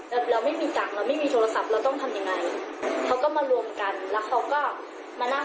แบบเราไม่มีจังเราไม่มีโทรศัพท์เราต้องทำยังไงเขาก็มารวมกันแล้วเขาก็มานั่งคุยกันว่าจะเอายังไงมาส่งน้อง